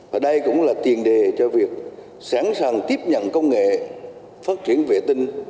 và đây cũng là tiền đề cho việc sẵn sàng tiếp nhận công nghệ phát triển vệ tinh